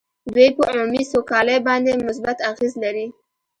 دوی په عمومي سوکالۍ باندې مثبت اغېز لري